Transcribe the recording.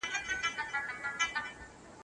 رحیم د پاڼې په ځواب نور هم غوسه شو.